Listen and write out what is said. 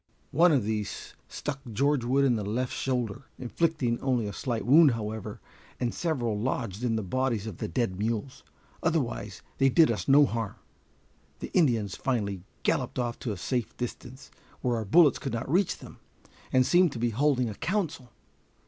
One of these struck George Wood in the left shoulder, inflicting only a slight wound, however, and several lodged in the bodies of the dead mules; otherwise they did us no harm. The Indians finally galloped off to a safe distance, where our bullets could not reach them, and seemed to be holding a council.